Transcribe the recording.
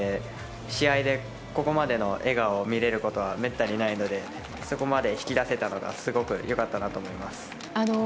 試合でここまでの笑顔を見れることはめったにないのでそこまで引き出せたのがすごい良かったと思います。